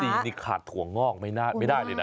ขนมจริงนี่ขาดถั่วงอกไม่ได้เลยนะ